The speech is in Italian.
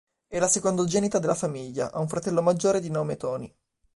È la secondogenita della famiglia: ha un fratello maggiore di nome Tony.